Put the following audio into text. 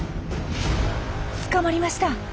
捕まりました。